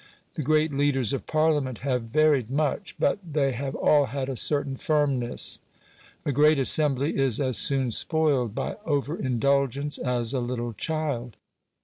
The great leaders of Parliament have varied much, but they have all had a certain firmness. A great assembly is as soon spoiled by over indulgence as a little child.